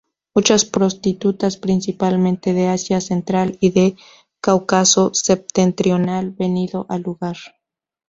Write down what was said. Muchas prostitutas, principalmente de Asia Central y del Cáucaso septentrional venido al lugar.